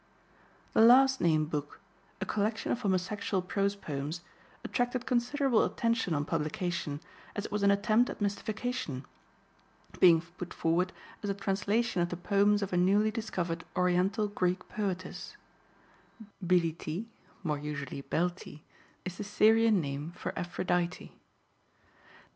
The last named book, a collection of homosexual prose poems, attracted considerable attention on publication, as it was an attempt at mystification, being put forward as a translation of the poems of a newly discovered Oriental Greek poetess; Bilitis (more usually Beltis) is the Syrian name for Aphrodite.